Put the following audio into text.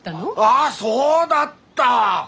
ああそうだった！